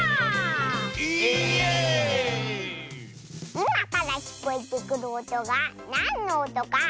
いまからきこえてくるおとがなんのおとかあてる！